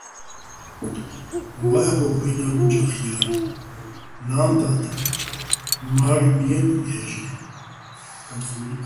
ვაჰ̦გო ღუ́ჲნარ ო́ჯახ ჲარ, ნა́ნ-და́დ, მა́რი ბიენო̆ ჲაჟარ.